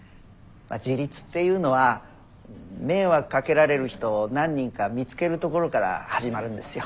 まあ自立っていうのは迷惑かけられる人を何人か見つけるところから始まるんですよ。